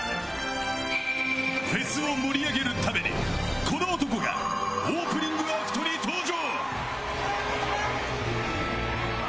「フェスを盛り上げるためにこの男がオープニングアクトに登場！」